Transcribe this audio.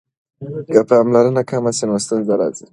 که پاملرنه کمه سي نو ستونزه راځي.